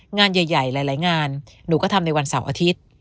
งานใหญ่หลายงานหนูก็ทำในวันเสาร์อาทิตย์